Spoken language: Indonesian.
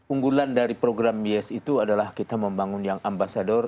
unggulan dari program yes itu adalah kita membangun yang ambasador